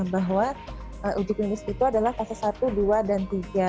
bahwa uji klinis itu adalah fase satu dua dan tiga